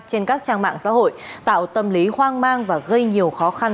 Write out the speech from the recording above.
trên các trang mạng xã hội tạo tâm lý hoang mang và gây nhiều khó khăn